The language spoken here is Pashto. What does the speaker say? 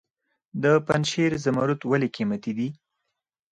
د پنجشیر زمرد ولې قیمتي دي؟